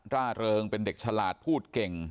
ร่าเริงเป็นเด็กฉลาดพูดเก่ง